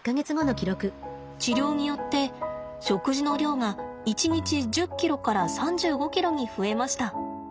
治療によって食事の量が一日１０ｋｇから３５ｋｇに増えました。